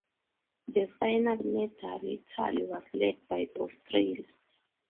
The final medal tally was led by Australia.